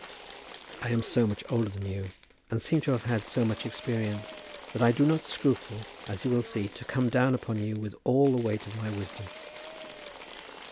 I am so much older than you, and seem to have had so much experience, that I do not scruple, as you will see, to come down upon you with all the weight of my wisdom.